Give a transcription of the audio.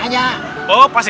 yaudah yaudah yaudah